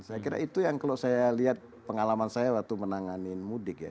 saya kira itu yang kalau saya lihat pengalaman saya waktu menanganin mudik ya